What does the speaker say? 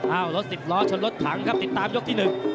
รถสิบล้อชนรถถังครับติดตามยกที่๑